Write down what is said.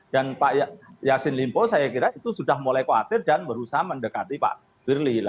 dan pak yassin limpo saya kira itu sudah mulai khawatir dan berusaha mendekati pak firli